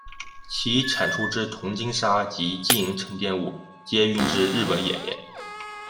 其产出之铜精砂及金银沉淀物皆运至日本冶炼。